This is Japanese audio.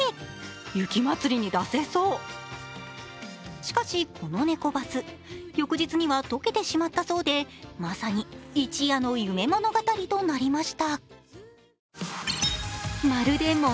しかし、このねこバス、翌日には溶けてしまったそうでまさに一夜の夢物語となりました。